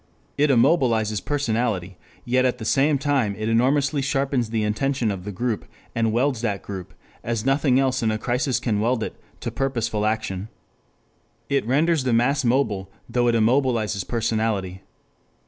It immobilizes personality, yet at the same time it enormously sharpens the intention of the group and welds that group, as nothing else in a crisis can weld it, to purposeful action. It renders the mass mobile though it immobilizes personality.